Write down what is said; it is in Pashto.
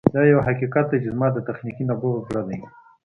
دا یو حقیقت دی چې زما د تخنیکي نبوغ زړه دی